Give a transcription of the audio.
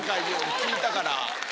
聞いたから。